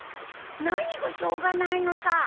何がしょうがないのさ！